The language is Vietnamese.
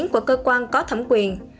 của cơ quan có thẩm quyền